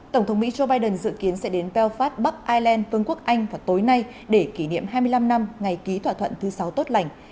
tổng thống mỹ joe biden dự kiến sẽ đến pelo phát bắc ireland vương quốc anh vào tối nay để kỷ niệm hai mươi năm năm ngày ký thỏa thuận thứ sáu tốt lành